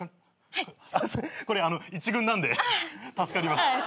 これ一軍なんで助かります。